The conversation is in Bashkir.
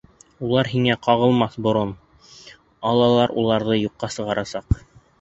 Улар һиңә ҡағылмаҫ борон, Аллалар уларҙы юҡҡа сығарасаҡ!